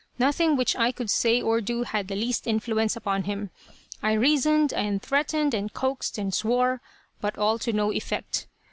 Nothing which I could say or do had the least influence upon him. I reasoned, and threatened, and coaxed, and swore, but all to no effect.